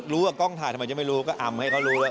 ว่ากล้องถ่ายทำไมจะไม่รู้ก็อำให้เขารู้ว่า